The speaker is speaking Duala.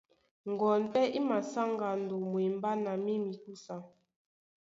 Ŋgoɔn pɛ́ í masá ŋgando mwembá na mí mikúsa.